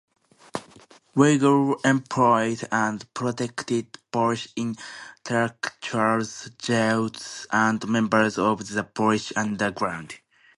Weigl employed and protected Polish intellectuals, Jews and members of the Polish underground.